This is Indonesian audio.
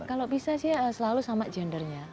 kalau bisa sih selalu sama gendernya